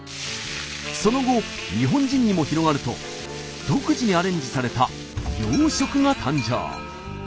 その後日本人にも広がると独自にアレンジされた洋食が誕生。